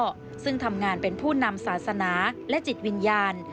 ซึ่งทำงานเป็นผู้นำศาสนาและจิตวิญญาณ